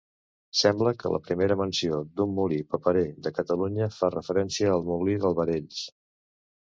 Sembla que la primera menció d'un molí paperer de Catalunya fa referència al molí d'Albarells.